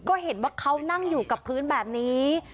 ก็เห็นว่าเขานั่งอยู่กับพื้นแบบนี้